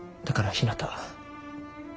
だからひなた。